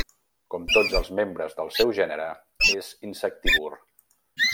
Com tots els membres del seu gènere, és insectívor.